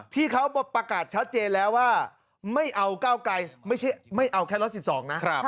ที่เขาประกาศชัดเจนแล้วว่าไม่เอาก้าวไกลไม่เอาแค่๑๑๒นะ